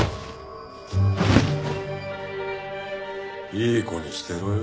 いい子にしてろよ。